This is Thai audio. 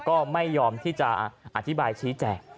ก็ไม่ยอมที่จะอธิบายชี้แจก